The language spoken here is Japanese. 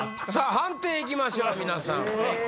・判定行きましょう皆さん。